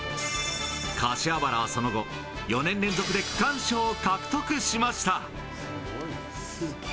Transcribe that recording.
柏原はその後、４年連続で区間賞を獲得しました。